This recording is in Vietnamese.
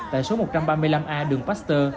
tại số một trăm ba mươi năm a đường pasteur